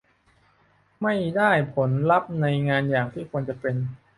ไม่ได้ผลลัพธ์ในงานอย่างที่ควรจะเป็น